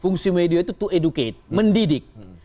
fungsi media itu untuk mengedukasi mendidik